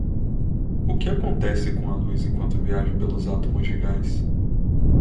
O que acontece com a luz enquanto viaja pelos átomos de gás?